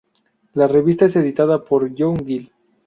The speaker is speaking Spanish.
La revista es editada por John Gill.